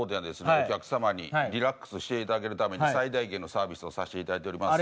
お客様にリラックスして頂けるために最大限のサービスをさせて頂いております。